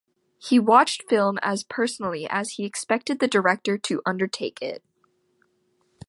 He watched film as personally as he expected the director to undertake it.